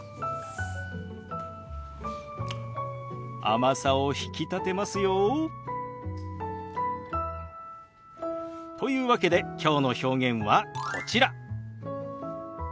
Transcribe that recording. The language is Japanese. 甘さを引き立てますよ。というわけできょうの表現はこちら。